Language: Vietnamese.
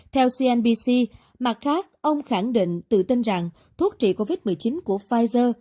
theo cnbc mặt khác ông khẳng định tự tin rằng thuốc trị covid một mươi chín của pfizer